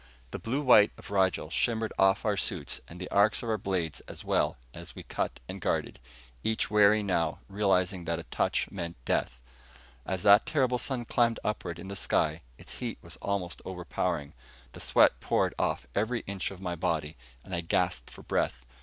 The blue white of Rigel shimmered off our suits and the arcs of our blades as we cut and guarded each wary now, realizing that a touch meant death. As that terrible sun climbed upward in the sky, its heat was almost overpowering. The sweat poured off every inch of my body, and I gasped for breath.